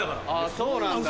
そうなんだ。